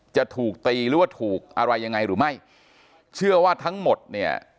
จะถูกตีหรือว่าถูกอะไรยังไงหรือไม่เชื่อว่าทั้งหมดเนี่ย